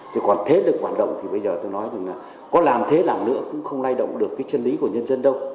thì còn thế lực hoạt động thì bây giờ tôi nói rằng là có làm thế nào nữa cũng không lay động được cái chân lý của nhân dân đâu